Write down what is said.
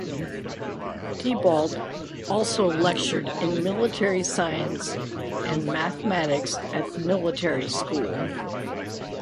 Thibault also lectured in military science and mathematics at the military school.